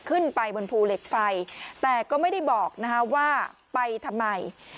ขึ้นไปบนภูเหล็กไฟแต่ก็ไม่ได้บอกว่าไปทำไม